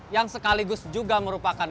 yang sekaligus juga merupakan